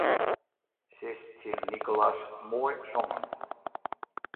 Sis tsjin Nicolas: Moai songen.